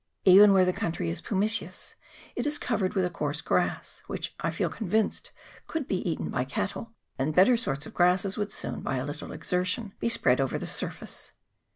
Even where the country is pumiceous, it is covered with a coarse grass, which I feel convinced would be eaten by cattle, and better sorts of grasses would soon, by a little exertion, be spread over the surface.